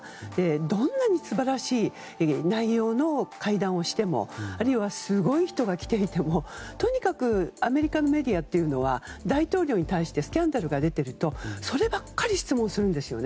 どんなに素晴らしい内容の会談をしてもあるいはすごい人が来ていてもとにかくアメリカのメディアは大統領に対してスキャンダルが出ているとそればかり質問するんですよね。